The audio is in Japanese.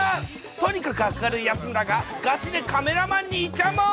とにかく明るい安村がガチでカメラマンにいちゃもん！